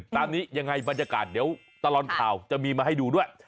ตามนี้ยังไงบรรยากาศเดี๋ยวตลอดข่าวจะมีมาให้ดูด้วย